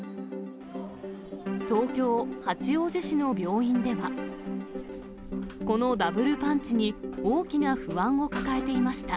東京・八王子市の病院では、このダブルパンチに大きな不安を抱えていました。